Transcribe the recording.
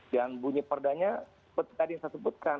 dan punya perdanya seperti yang tadi saya sebutkan